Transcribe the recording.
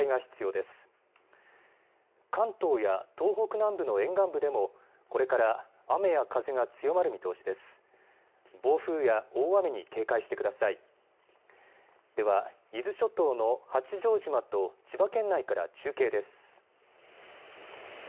では伊豆諸島の八丈島と千葉県内から中継です。